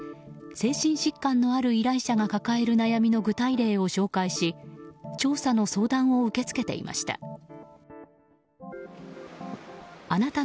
精神疾患のある依頼者が抱える悩みの具体例を紹介し調査の相談を受け付けていました。